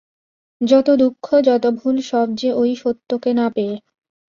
যত দুঃখ যত ভুল সব যে ঐ সত্যকে না পেয়ে।